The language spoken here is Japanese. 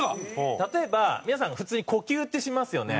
例えば皆さん普通に呼吸ってしますよね。